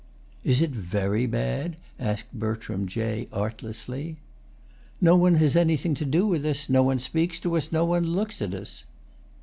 "Is it very bad?" asked Bertram Jay artlessly. "No one has anything to do with us, no one speaks to us, no one looks at us."